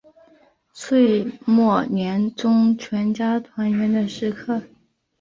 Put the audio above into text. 岁末年终全家团圆的时刻